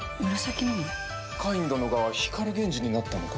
カイン殿が光源氏になったのか？